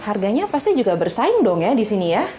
harganya pasti juga bersaing dong ya di sini ya